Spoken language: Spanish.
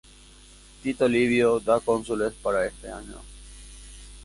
Tito Livio da cónsules para este año.